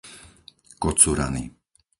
Kocurany